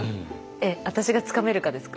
私がつかめるかですか？